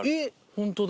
ホントだ。